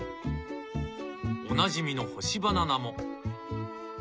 おなじみの干しバナナも。